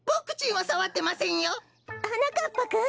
はなかっぱくん！？